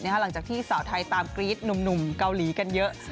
หลังจากที่สาวไทยตามกรี๊ดหนุ่มเกาหลีกันเยอะ